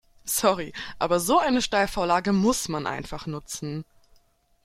Sorry, aber so eine Steilvorlage muss man einfach nutzen.